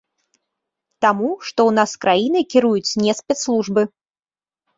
Таму, што ў нас краінай кіруюць не спецслужбы.